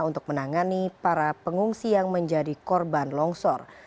untuk menangani para pengungsi yang menjadi korban longsor